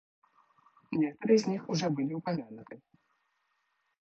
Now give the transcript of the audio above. Некоторые из них уже были упомянуты.